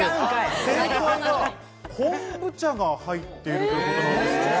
正解は、昆布茶が入っているということなんです。